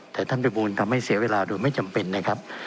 แต่ท่านประมูลทำให้เสียเวลาโดยไม่จำเป็นนะครับ